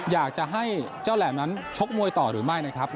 อยากจะให้เจ้าแหลมนั้นชกมวยต่อหรือไม่นะครับ